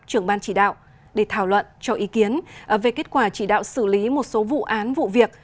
trưởng ban chỉ đạo để thảo luận cho ý kiến về kết quả chỉ đạo xử lý một số vụ án vụ việc